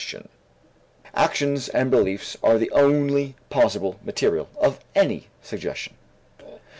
Actions and beliefs are the only possible material of any suggestion.